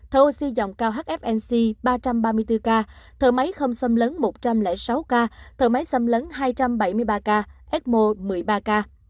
thầu oxy dòng cao hfnc ba trăm ba mươi bốn ca thở máy không xâm lấn một trăm linh sáu ca thở máy xâm lấn hai trăm bảy mươi ba ca emo một mươi ba ca